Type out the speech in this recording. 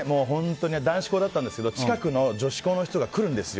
男子校だったんですけど近くの女子校の人が来るんです。